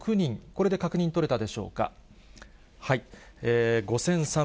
これで確認取れたでしょうか。